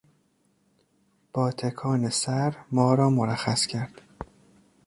با تکان سر ما را مرخص کرد.